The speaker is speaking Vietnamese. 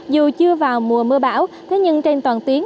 dù chưa vào mùa mưa bão thế nhưng trên toàn tuyến